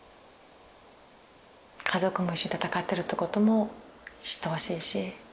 家族も一緒に闘ってるってことも知ってほしいし。